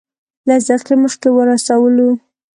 لس دقیقې مخکې ورسولو.